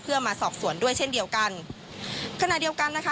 เพื่อมาสอบสวนด้วยเช่นเดียวกันขณะเดียวกันนะคะ